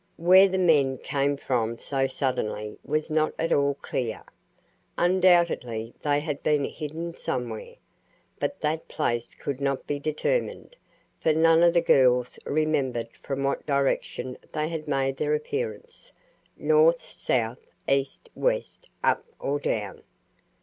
Where the men came from so suddenly was not at all clear. Undoubtedly they had been hidden somewhere, but that place could not be determined, for none of the girls remembered from what direction they had made their appearance, north, south, east, west, up, or down.